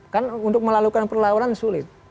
kan untuk melalukan perlawanan sulit